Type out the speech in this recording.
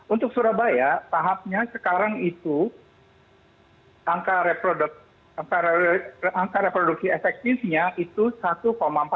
untuk surabaya tahapnya sekarang itu angka reproduksi efektifnya itu satu empat puluh